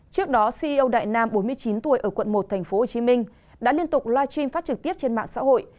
trước đó ceo đại nam bốn mươi chín tuổi ở quận một tp hcm đã liên tục live stream phát trực tiếp trên mạng xã hội